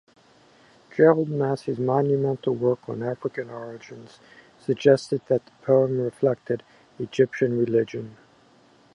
Gerald Massey's monumental work on African origins suggested that the poem reflected Egyptian religion.